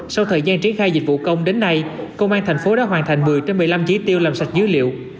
sau thời gian triển khai dịch vụ công đến nay công an thành phố đã hoàn thành một mươi trên một mươi năm chỉ tiêu làm sạch dữ liệu